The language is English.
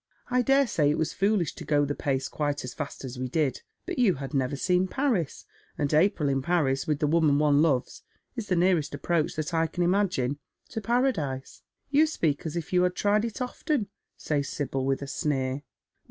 " I dare say it was foolish to go the pace quite as fast as we did, but you had never seen Paris, and April in Paris with the woman one loves is the nearest approach that I can imagine to paradise." " You speak as if you had tried it often," says Sibyl, with a sneer.